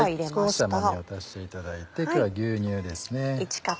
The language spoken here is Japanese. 少し甘みを足していただいて今日は牛乳です。